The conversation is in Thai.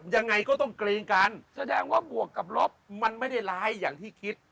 ยังไงก็ต้องเกรงกันแสดงว่าบวกกับลบมันไม่ได้ร้ายอย่างที่คิด